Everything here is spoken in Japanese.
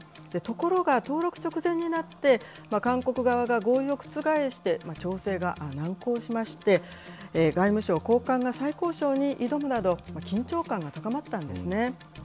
ところが、登録直前になって韓国側が合意を覆して調整が難航しまして、外務省高官が再交渉に挑むなど緊張感が高まったんですね。